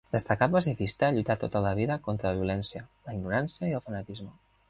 Destacat pacifista, lluità tota la vida contra la violència, la ignorància i el fanatisme.